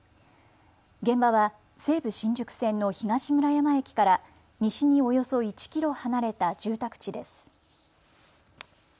現場は西武新宿線の東村山駅から西におよそ１キロ離れた住宅地です。